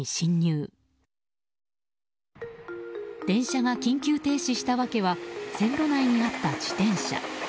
電車が緊急停止した訳は線路内にあった自転車。